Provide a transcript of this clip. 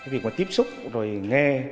việc mà tiếp xúc rồi nghe